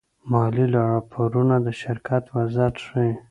مالي راپورونه د شرکت وضعیت ښيي.